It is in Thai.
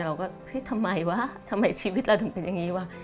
เราก็เฮ้ยทำไมวะทำไมชีวิตเราถึงเป็นอย่างนี้วะ